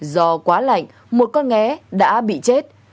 do quá lạnh một con nghé đã bị chết